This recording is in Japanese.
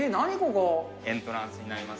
エントランスになります。